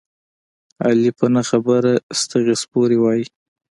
علي په نه خبره ستغې سپورې وايي.